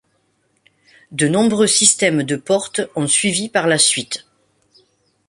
De nombreux systèmes de portes ont suivi par la suite.